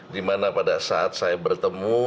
dimana pada saat saya bertemu